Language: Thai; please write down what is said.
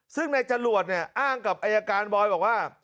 ซึ่งในจรวดเนี่ยอ้างกับอายการบอยบอกว่า